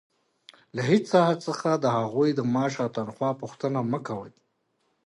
له هېچا څخه د هغوى د معاش او تنخوا پوښتنه مه کوئ!